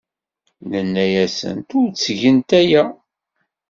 Nenna-asent ur ttgent aya.